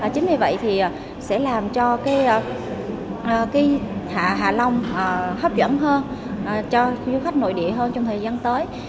chính vì vậy thì sẽ làm cho hạ long hấp dẫn hơn cho du khách nội địa hơn trong thời gian tới